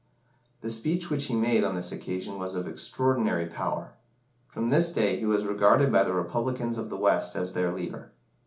The speech which he made on this occasion was of extraordinary power. From this day he was regarded by the Republicans of the West as their leader.